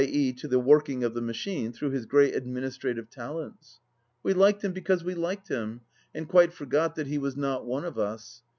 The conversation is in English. e. to the working of the machine, through his great administrative talents. We liked him because we liked him, and quite forgot that he was not one of us.